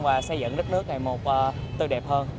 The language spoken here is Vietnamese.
và xây dựng đất nước này một tư đẹp hơn